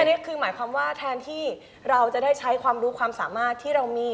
อันนี้คือหมายความว่าแทนที่เราจะได้ใช้ความรู้ความสามารถที่เรามี